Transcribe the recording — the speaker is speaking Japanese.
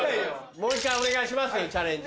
もう一回お願いしますよチャレンジ。